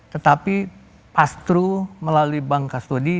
tetapi pass through melalui bank kastodi